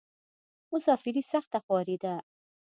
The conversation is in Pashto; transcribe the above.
مسافري سخته خواری ده.